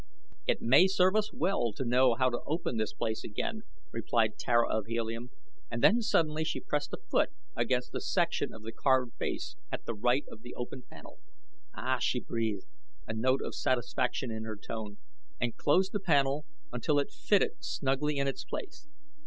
"It may serve us well to know how to open this place again," replied Tara of Helium, and then suddenly she pressed a foot against a section of the carved base at the right of the open panel. "Ah!" she breathed, a note of satisfaction in her tone, and closed the panel until it fitted snugly in its place.